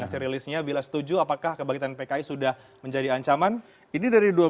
hasil rilisnya bila setuju apakah kebangkitan pki sudah menjadi ancaman